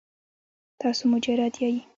تاسو مجرد یې؟